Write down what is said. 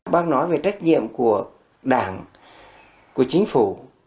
bác nói về trách nhiệm của đảng của chính phủ